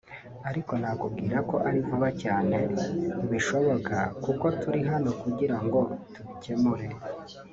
ariko nakubwira ko ari vuba cyane bishoboka kuko turi hano kugira ngo tubikemure